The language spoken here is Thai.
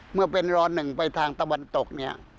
เมื่อเป็นรอ๑ไปทางตะวันตกเนี่ย